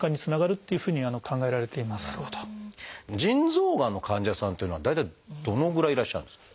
腎臓がんの患者さんっていうのは大体どのぐらいいらっしゃるんですか？